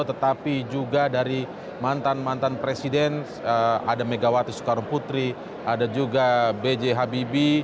tetapi juga dari mantan mantan presiden ada megawati soekaruputri ada juga bj habibi